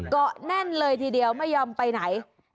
แน่นเลยทีเดียวไม่ยอมไปไหน